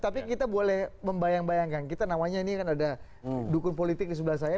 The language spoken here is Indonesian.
tapi kita boleh membayang bayangkan kita namanya ini kan ada dukun politik di sebelah saya